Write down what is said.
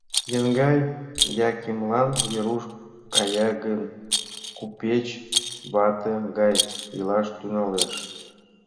Еҥгай, Якимлан Веруш кая гын, купеч вате гай илаш тӱҥалеш.